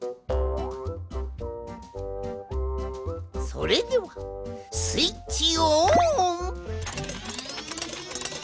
それではスイッチオン！